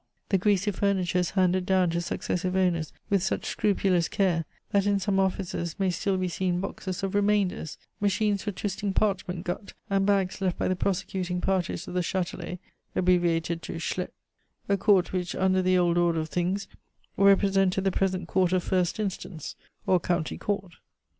The greasy furniture is handed down to successive owners with such scrupulous care, that in some offices may still be seen boxes of remainders, machines for twisting parchment gut, and bags left by the prosecuting parties of the Chatelet (abbreviated to Chlet) a Court which, under the old order of things, represented the present Court of First Instance (or County Court).